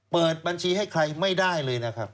เปิดบัญชีให้ใครไม่ได้เลยนะครับ